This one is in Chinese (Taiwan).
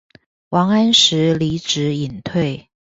王安石離職引退